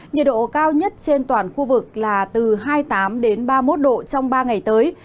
nhiệt độ cao nhất trên toàn khu vực là từ hai mươi tám ba mươi một độ trong ba ngày tới